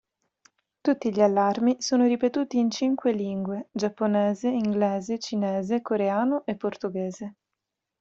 Tutti gli allarmi sono ripetuti in cinque lingue: giapponese, inglese, cinese, coreano e portoghese.